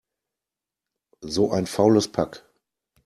So ein faules Pack!